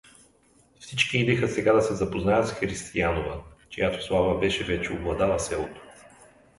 Всичките идеха сега да се запознаят с Християнова, чдято слава беше вече обладала селото.